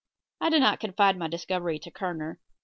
I did not confide my discovery to Kerner.